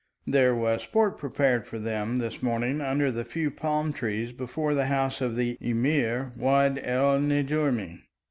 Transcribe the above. There was sport prepared for them this morning under the few palm trees before the house of the Emir Wad El Nejoumi.